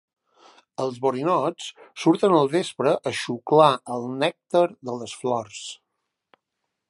Els borinots surten al vespre a xuclar el nèctar de les flors.